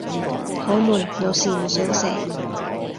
好悶，有時唔想寫